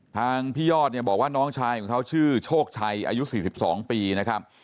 ทางพี่ยอดเนี่ยบอกว่าน้องชายของเขาชื่อโชคชัยอายุ๔๒ปีนะครับ